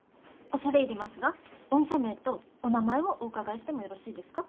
恐れ入りますが御社名とお名前をお伺いしてもよろしいですか？